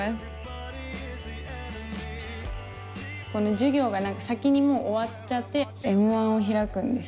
授業が先にもう終わっちゃってＭ−１を開くんですけど。